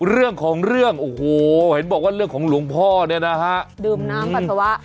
เรื่องของเรื่องโอ้โหเห็นบอกว่าเรื่องของหลวงพ่อเนี่ยนะฮะดื่มน้ำปัสสาวะ